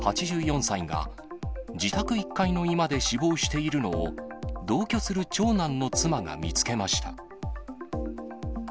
８４歳が、自宅１階の居間で死亡しているのを、同居する長男の妻が見つけました。